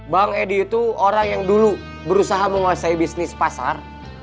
bang edi itu orang yang dulu berusaha menguasai bisnis pasar